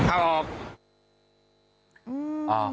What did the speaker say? แล้วแกเซมาปุ๊บเหล็กพอเซมาปั๊บแล้วแกหัก